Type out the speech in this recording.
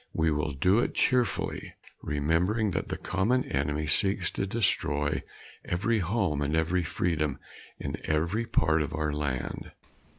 We will do it cheerfully, remembering that the common enemy seeks to destroy every home and every freedom in every part of our land.